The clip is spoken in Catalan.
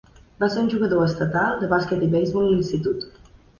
Va ser un jugador estatal de bàsquet i beisbol a l'institut.